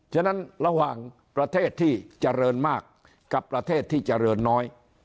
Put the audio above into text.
ฉะนั้นระหว่างประเทศที่เจริญมากกับประเทศที่เจริญน้อย